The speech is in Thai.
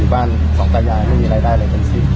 บ้านสองตายายไม่มีรายได้อะไรกันซิ